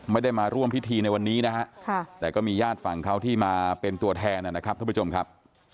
ไม่ได้มาร่วมพิธีในวันนี้นะฮะแต่ก็มีญาติฝั่งเขาที่มาเป็นตัวแทนนะครับท่านผู้ชมครับ